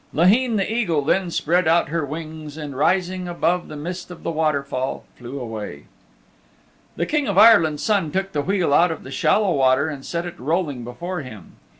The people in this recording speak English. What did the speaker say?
Laheen the Eagle then spread out her wings and rising above the mist of the waterfall flew away. The King of Ireland's Son took the wheel out of the shallow water and set it rolling before him.